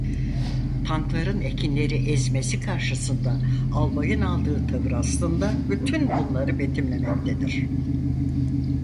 Tankların ekinleri ezmesi karşısında Albay'ın aldığı tavır aslında bütün bunları betimlemektedir.